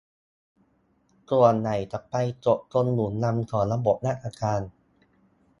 ส่วนใหญ่ไปจบตรงหลุมดำของระบบราชการ